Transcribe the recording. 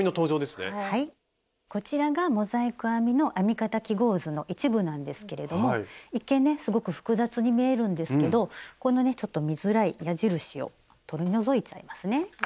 こちらがモザイク編みの編み方記号図の一部なんですけれども一見ねすごく複雑に見えるんですけどこのねちょっと見づらい矢印を取り除いちゃいますね。